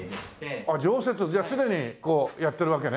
あっ常設じゃあ常にやってるわけね。